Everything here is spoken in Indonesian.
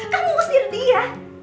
kamu usir dia